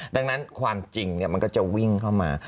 ดังนั้นความจริงมันก็จะวิ่งเข้ามา